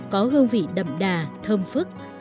có hương vị đậm đà thơm phức